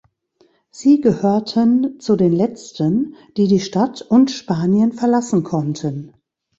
Sie gehörten zu den letzten, die die Stadt und Spanien verlassen konnten.